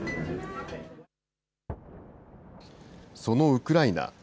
そのウクライナ。